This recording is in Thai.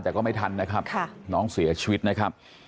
แต่ก็ไม่ทันนะครับน้องเสียชีวิตนะครับ